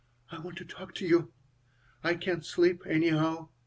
"I want to talk to you. I can't sleep, anyhow.